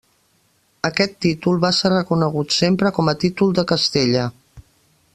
Aquest títol va ser reconegut sempre com a títol de Castella.